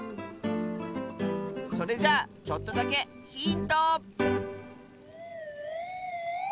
それじゃあちょっとだけヒント！